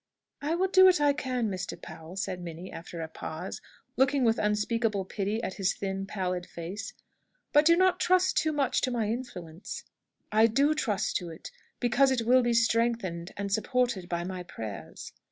"I will do what I can, Mr. Powell," said Minnie, after a pause, looking with unspeakable pity at his thin, pallid face. "But do not trust too much to my influence." "I do trust to it, because it will be strengthened and supported by my prayers."